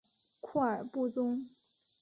库尔布宗。